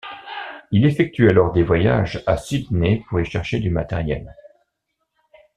Il effectue alors des voyages à Sydney pour y chercher du matériel.